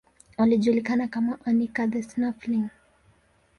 Alijulikana kama Anica the Snuffling.